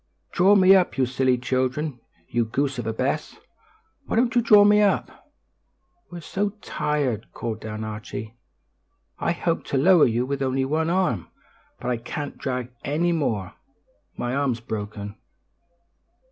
"Draw me up! You silly children! You goose of a Bess! Why don't you draw me up?" "We're so tired?" called down Archie. "I helped to lower you with only one arm, but I can't drag any more. My arm's broken."